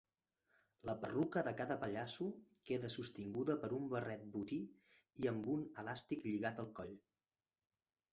La perruca de cada pallasso queda sostinguda per un barret botí i amb un elàstic lligat al coll.